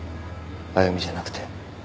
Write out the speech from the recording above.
あゆみじゃなくて。